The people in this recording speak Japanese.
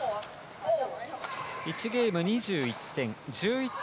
１ゲーム２１点。